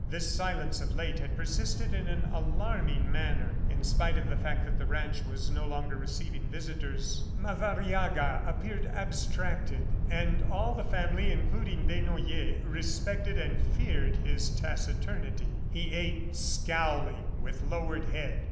This silence, of late, had persisted in an alarming manner, in spite of the fact that the ranch was no longer receiving visitors. Madariaga appeared abstracted, and all the family, including Desnoyers, respected and feared this taciturnity. He ate, scowling, with lowered head.